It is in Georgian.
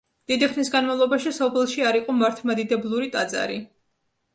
დიდი ხნის განმავლობაში სოფელში არ იყო მართლმადიდებლური ტაძარი.